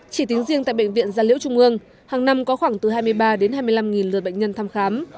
chỉ tính riêng tại bệnh viện gia liễu trung ương hàng năm có khoảng từ hai mươi ba đến hai mươi năm lượt bệnh nhân thăm khám